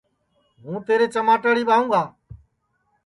ہوں تیرے چماٹاڑی ٻائوگا